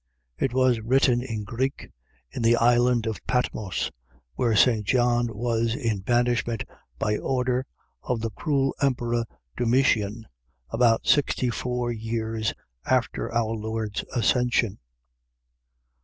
It was written in Greek, in the island of Patmos, where St. John was in banishment by order of the cruel emperor Domitian, about sixty four years after our Lord's Ascension.